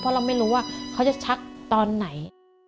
เพราะเราไม่รู้ว่าเขาจะชักตอนไหน